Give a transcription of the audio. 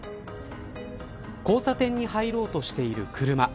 交差点に入ろうとしている車。